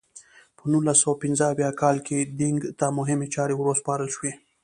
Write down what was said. په نولس سوه پنځه اویا کال کې دینګ ته مهمې چارې ور وسپارل شوې.